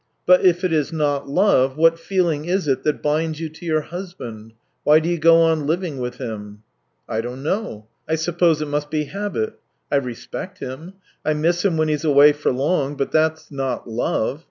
" But if it is not love, what feeling is it that binds you to your husband ? Why do you go on living with him ?" I don't know. ... I suppose it must be habit. I respect him, I miss him when he's away for long, but that's — not love.